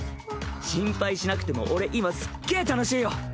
心配しなくても俺今すっげぇ楽しいよ。